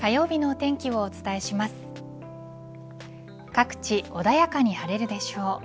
各地穏やかに晴れるでしょう。